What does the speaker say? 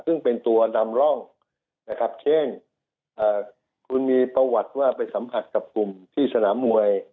ซึ่งเป็นตัวนำร่องนะครับเช่นคุณมีประวัติว่าไปสัมผัสกับกลุ่มที่สนามมวย